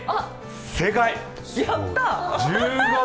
正解！